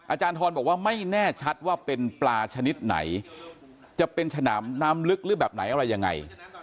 อาจารย์ทรบอกว่าไม่แน่ชัดว่าเป็นปลาชนิดไหนจะเป็นฉนามน้ำลึกหรือแบบไหนอะไรยังไง